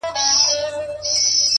که هر څو دي په لاره کي گړنگ در اچوم،